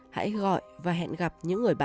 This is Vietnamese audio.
hãy gọi và hẹn gặp những người bạn